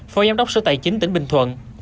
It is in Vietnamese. phó giám đốc sở tài chính tỉnh bình thuận